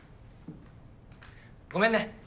ごめんね。